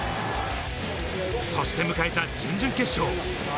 そして迎えた準々決勝。